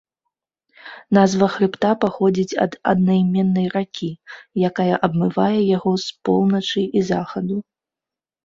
Назва хрыбта паходзіць ад аднайменнай ракі, якая абмывае яго з поўначы і захаду.